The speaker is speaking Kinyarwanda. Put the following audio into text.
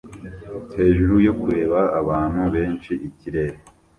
Hejuru yo kureba abantu benshi ikirere